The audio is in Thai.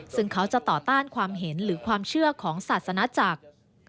ซึ่งเขาจะต่อต้านความเห็นหรือความเชื่อของศาสนาจักร